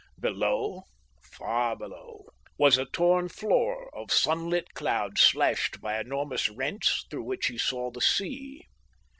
Below, far below, was a torn floor of sunlit cloud slashed by enormous rents through which he saw the sea.